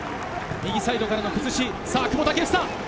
右サイドからの崩し、さぁ久保建英。